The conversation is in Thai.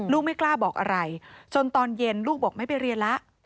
ไม่กล้าบอกอะไรจนตอนเย็นลูกบอกไม่ไปเรียนแล้ว